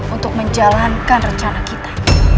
untuk menjalankan rencana kita